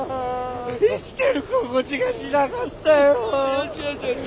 生きてる心地がしなかったよ。